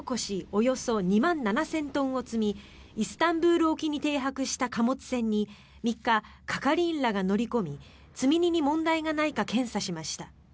およそ２万７０００トンを積みイスタンブール沖に停泊した貨物船に３日係員らが乗り込み積み荷に問題がないか検査しました。